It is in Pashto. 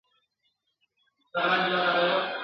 یوه بل ته په خوږه ژبه ګویان سول ..